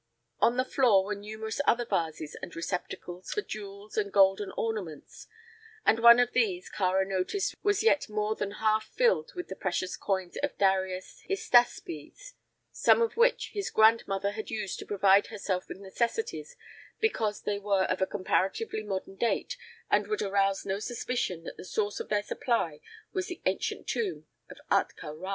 On the floor were numerous other vases and receptacles for jewels and golden ornaments, and one of these Kāra noticed was yet more than half filled with the precious coins of Darius Hystaspes, some of which his grandmother had used to provide herself with necessities because they were of a comparatively modern date and would arouse no suspicion that the source of their supply was the ancient tomb of Ahtka Rā.